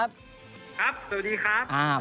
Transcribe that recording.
ครับสวัสดีครับ